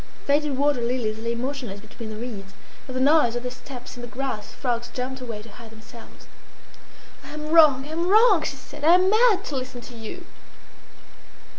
Faded water lilies lay motionless between the reeds. At the noise of their steps in the grass, frogs jumped away to hide themselves. "I am wrong! I am wrong!" she said. "I am mad to listen to you!"